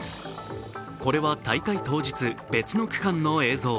これは大会当日別の区間の映像。